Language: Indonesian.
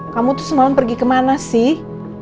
kamu tuh semalam pergi kemana sih